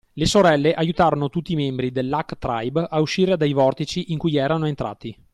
Le sorelle aiutarono tutti i membri dell’Hack Tribe a uscire dai vortici in cui erano entrati.